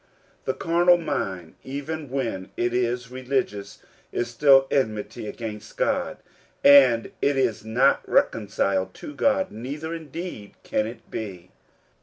The carnal mind, even when it is religious, is still enmity against God, and it is not reconciled to God, neither indeed can it be.